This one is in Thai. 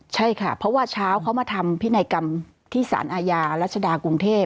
ใช่ค่ะเพราะว่าเช้าเขามาทำพินัยกรรมที่สารอาญารัชดากรุงเทพ